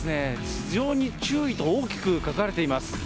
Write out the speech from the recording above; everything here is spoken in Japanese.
頭上に注意と大きく書かれています。